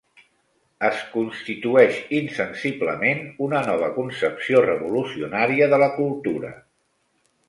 Es constitueix insensiblement una nova concepció revolucionària de la cultura.